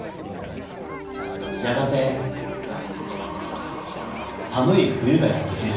やがてさむいふゆがやってきました。